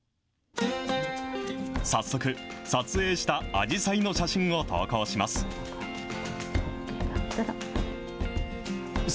早速、撮影したアジサイの写真を投稿します。